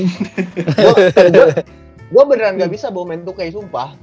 gue beneran gak bisa bawa main dua k sumpah